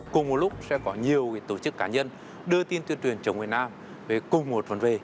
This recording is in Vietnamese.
cùng một lúc sẽ có nhiều tổ chức cá nhân đưa tin tuyên truyền chống việt nam về cùng một vấn đề